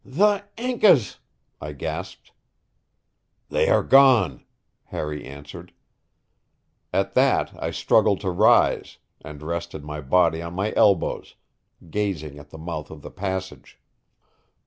"The Incas!" I gasped. "They are gone," Harry answered. At that I struggled to rise and rested my body on my elbows, gazing at the mouth of the passage.